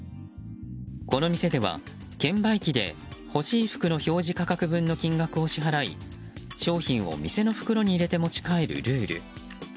この店では、券売機で欲しい服の表示価格分の金額を支払い商品を店の袋に入れて持ち帰るルール。